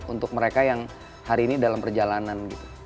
untuk mereka yang hari ini dalam perjalanan